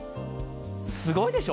すごいでしょ。